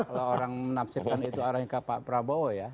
kalau orang menafsirkan itu arahnya ke pak prabowo ya